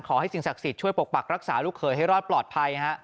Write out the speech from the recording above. สิ่งศักดิ์สิทธิ์ช่วยปกปักรักษาลูกเขยให้รอดปลอดภัย